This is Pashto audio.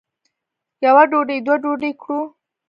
یوه ډوډۍ دوه ډوډۍ کړو.